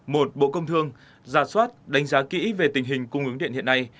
một bộ công thương giả soát đánh giá kỹ về tình hình cung ứng điện hiện nay